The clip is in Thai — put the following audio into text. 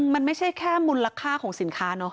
มันไม่ใช่แค่มูลรักษาของสินค้า